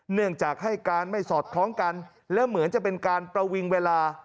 เนื่องจากให้การไม่สอดคล้องกันและเหมือนจะเป็นการประวิงเวลา